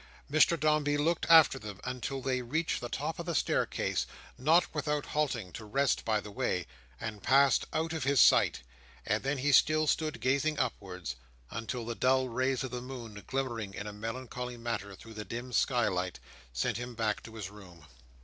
Mr Dombey looked after them until they reached the top of the staircase—not without halting to rest by the way—and passed out of his sight; and then he still stood gazing upwards, until the dull rays of the moon, glimmering in a melancholy manner through the dim skylight, sent him back to his room.